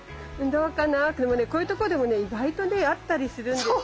でもねこういうところでもね意外とねあったりするんですよ。